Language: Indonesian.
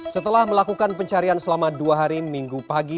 setelah melakukan pencarian selama dua hari minggu pagi